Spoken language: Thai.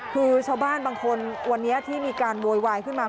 คือชาวบ้านบางคนวันนี้ที่มีการโวยวายขึ้นมา